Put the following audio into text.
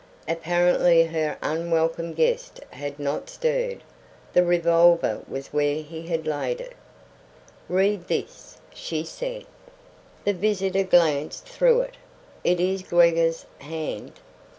Apparently her unwelcome guest had not stirred. The revolver was where he had laid it. "Read this," she said. The visitor glanced through it. "It is Gregor's hand.